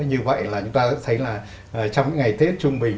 như vậy là chúng ta đã thấy là trong những ngày tết trung bình